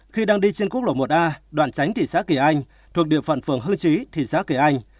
khi đang đi trên quốc lộ một a đoạn tránh thị xã kỳ anh thuộc địa phận phường hưu trí thị xã kỳ anh